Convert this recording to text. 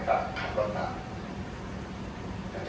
คุณพร้อมกับเต้ย